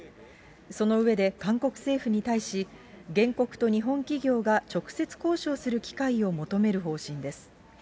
その上で、韓国政府に対し、原告と日本企業が直接交渉する機会を求める方針です。